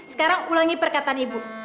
sekarang ulangi perkataan ibu